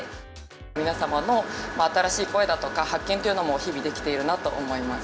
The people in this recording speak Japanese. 皆様の新しい声だとか、発見というのも日々できているなと思います。